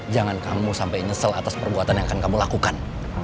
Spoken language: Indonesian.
jangan kamu sampai nyesel atas perbuatan yang akan kamu lakukan